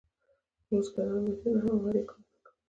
د بزګرانو بچیانو هم وړیا کارونه کول.